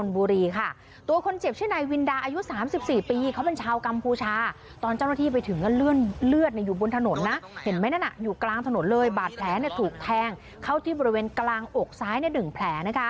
บาดแผลถูกแทงเข้าที่บริเวณกลางอกซ้ายหนึ่งแผล